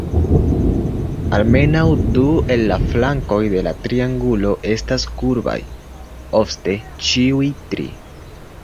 Almenaŭ du el la flankoj de la triangulo estas kurbaj; ofte ĉiuj tri.